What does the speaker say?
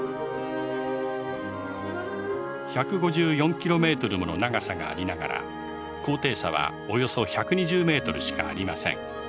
１５４キロメートルもの長さがありながら高低差はおよそ１２０メートルしかありません。